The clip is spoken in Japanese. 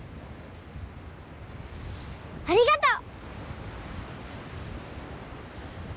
ありがとう！